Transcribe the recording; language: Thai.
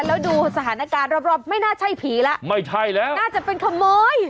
เพราะดูสถานการณ์รอบไม่น่าใช่ผีแล้วน่าจะเป็นขโมยไม่ใช่แล้ว